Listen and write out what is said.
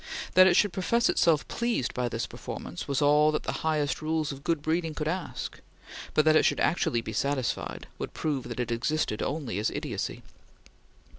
That it should profess itself pleased by this performance was all that the highest rules of good breeding could ask; but that it should actually be satisfied would prove that it existed only as idiocy.